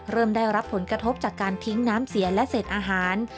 เริ่มได้รับผลกระทบจากการทิ้งน้ำเสียและเศษอาหาร